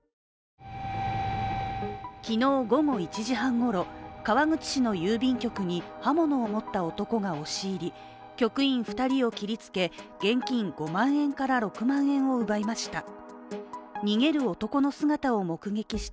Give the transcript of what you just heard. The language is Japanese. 昨日午後１時半ごろ、川口市の郵便局に刃物を持った男が押し入り局員２人を切りつけ、現金５万円から６万円を奪いました。